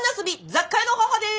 雑貨屋の母です！